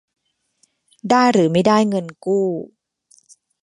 ได้หรือไม่ได้เงินกู้